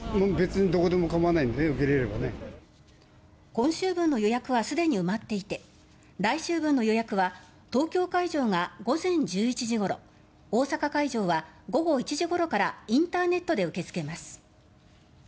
今週分の予約はすでに埋まっていて来週分の予約は東京会場が午前１１時ごろ大阪会場は午後１時ごろからインターネットで受け付けます。